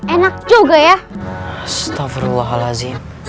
enak juga ya astagfirullahaladzim